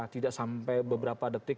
tidak sampai beberapa detik